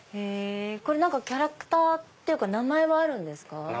これキャラクターっていうか名前はあるんですか？